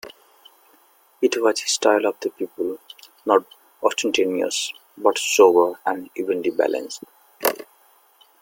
It was a style of the people, not ostentatious but sober and evenly balanced.